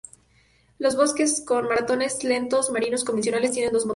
Los buques con motores lentos marinos convencionales tienen dos motores.